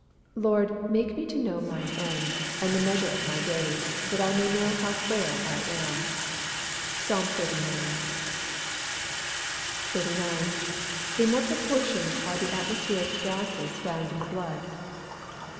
[Verse: "Lord, make me know mine end, and the measure of my days, that I may know how frail I am." PSALM XXXIX.] 39. _In what proportions are the atmospheric gases found in the blood?